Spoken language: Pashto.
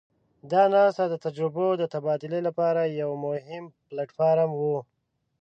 دا ناسته د تجربو د تبادلې لپاره یو مهم پلټ فارم وو.